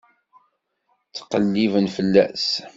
Ttqelliben fell-as.